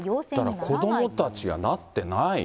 だから子どもたちはなってない。